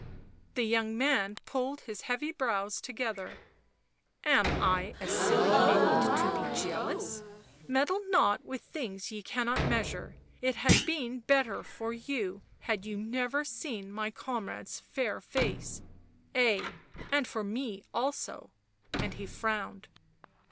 The young man pulled his heavy brows together. "Am I a silly maid to be jealous? Meddle not with things ye cannot measure,' it had been better for you had you never seen my comrade's fair face — ay, and for me also," and he frowned.